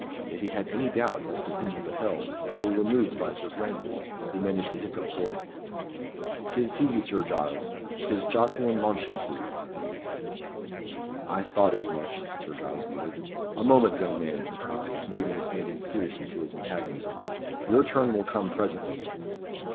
If he had any doubts as to whom he beheld, they were removed by Sir Francis, who managed to hiccup forth "'Tis he, Sir Giles 'tis Jocelyn Mounchensey." "I thought as much," Sir Giles muttered. "A moment, young man," he cried, waving his hand imperiously to his antagonist. "Your turn will come presently."